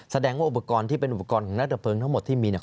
แสดงว่าอุปกรณ์ที่เป็นอุปกรณ์ของนักดับเพลิงทั้งหมดที่มีเนี่ย